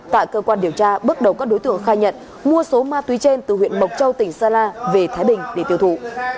tại cơ quan điều tra bước đầu các đối tượng khai nhận mua số ma túy trên từ huyện mộc châu tỉnh sơn la về thái bình để tiêu thụ